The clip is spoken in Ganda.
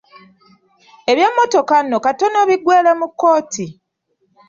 Eby'e mmotoka nno katono biggwere mu kkooti.